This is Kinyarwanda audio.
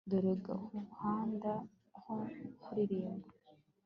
dore guhanga nko kuririmba